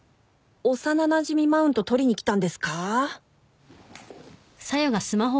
幼なじみマウント取りに来たんですか？